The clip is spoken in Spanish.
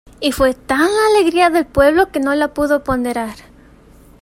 Y fue tal la alegría del pueblo que no la puedo ponderar.